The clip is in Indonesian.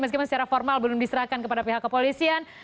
meskipun secara formal belum diserahkan kepada pihak kepolisian